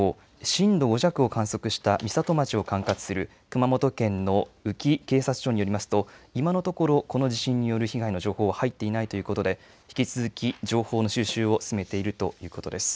震度５弱を観測した美里町を管轄する熊本県の宇城警察署によりますと、今のところ、この地震による被害の情報は入っていないということで、引き続き情報の収集を進めているということです。